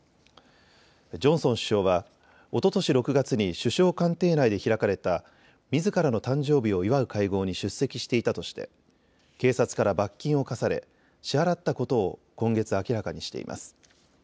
ジョンソン首相は、おととし６月に首相官邸内で開かれたみずからの誕生日を祝う会合に出席していたとして警察から罰金を科され支払ったことを今月、明らかにしています。